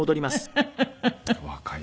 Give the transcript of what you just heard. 若い。